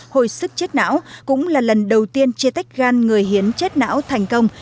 hồi sức chết não cũng là lần đầu tiên chia tách gan người hiến chết não thành công